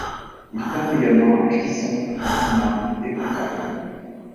Il peint également à Clisson, Dinard et Concarneau.